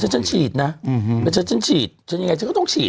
ฉันฉีดนะแล้วฉันฉีดฉันยังไงฉันก็ต้องฉีด